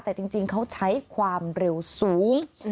แต่จริงเขาใช้ความเร็วสูง